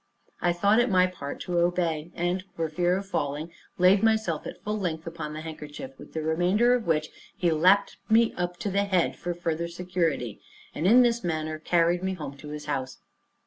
I thought it my part to obey, and, for fear of falling, laid myself at full length upon the handkerchief, with the remainder of which he lapped me up to the head for further security, and in this manner carried me home to his house.